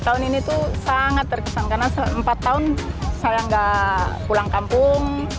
tahun ini tuh sangat terkesan karena empat tahun saya nggak pulang kampung